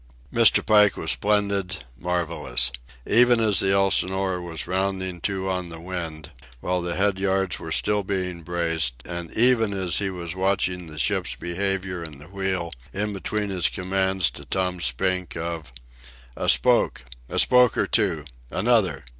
Mr. Pike was splendid, marvellous. Even as the Elsinore was rounding to on the wind, while the head yards were still being braced, and even as he was watching the ship's behaviour and the wheel, in between his commands to Tom Spink of "A spoke! A spoke or two! Another!